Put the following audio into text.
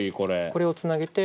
これをつなげて。